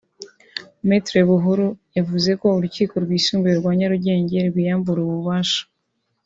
Me Buhuru yavuze ko Urukiko Rwisumbuye rwa Nyarugenge rwiyambura ububasha